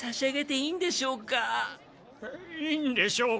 いいんでしょうかって？